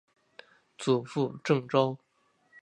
祖父郑肇。